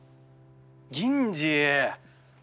銀次！